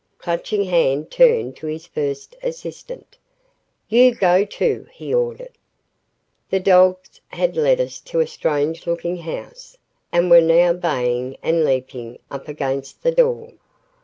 Clutching Hand turned to his first assistant. "You go too," he ordered. ........ The dogs had led us to a strange looking house, and were now baying and leaping up against the door.